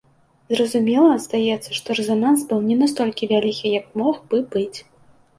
Зразумела, здаецца, што рэзананс быў не настолькі вялікі, як мог бы быць.